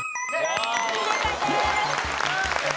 正解です。